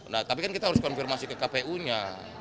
nah tapi kan kita harus konfirmasi ke kpu nya